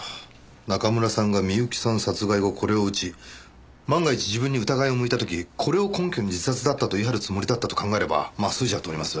中村さんが美由紀さん殺害後これを打ち万が一自分に疑いが向いた時これを根拠に自殺だったと言い張るつもりだったと考えればまあ筋は通ります。